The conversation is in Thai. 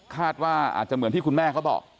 คาดว่าอาจจะเหมือนที่คุณแม่เขาบอก